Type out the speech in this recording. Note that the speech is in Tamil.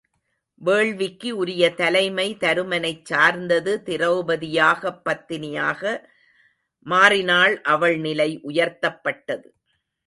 வேள்விக்கு உரிய தலைமை தருமனைச் சார்ந்தது திரெளபதி யாகபத்தினியாக மாறினாள் அவள் நிலை உயர்த்தப்பட்டது.